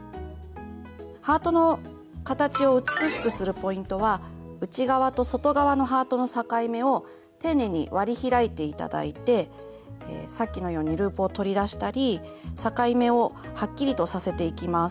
ハートの形を美しくするポイントは内側と外側のハートの境目を丁寧に割り開いて頂いてさっきのようにループを取り出したり境目をはっきりとさせていきます。